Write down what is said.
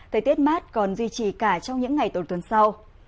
thời tiết mát còn duy trì cả trong những ngày đầu tuần sau